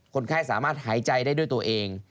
คนไข้สามารถหายใจได้ด้วยตัวเอง